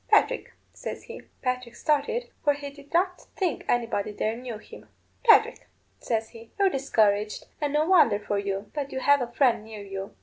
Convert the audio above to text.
'Patrick,' says he. Patrick started, for he did not think anybody there knew him. 'Patrick,' says he, 'you're discouraged, and no wonder for you. But you have a friend near you.